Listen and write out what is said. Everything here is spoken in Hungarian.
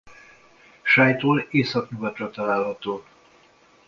Sálytól északnyugatra található.